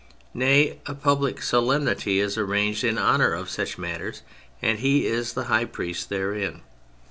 Nay, a public solemnity is arranged in honour of such matters, and he is the high priest therein.